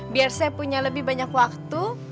biar saya punya lebih banyak waktu